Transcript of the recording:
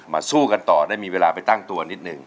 สู้กันต่อได้มีเวลาไปตั้งตัวนิดนึง